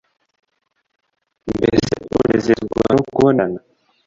mbese unezezwa no kubonerana,